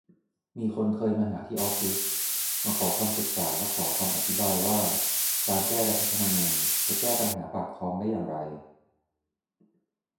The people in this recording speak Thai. มีคนเคยมาหาที่ออฟฟิศ มาขอคำปรึกษาและขอคำอธิบายว่า การ แก้รัฐธรรมนูญ จะแก้ปัญหาปากท้องได้อย่างไร